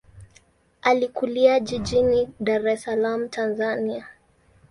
Alikulia jijini Dar es Salaam, Tanzania.